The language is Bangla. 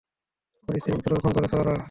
তোমার স্ত্রী-পুত্রকে খুন করেছে ওরা।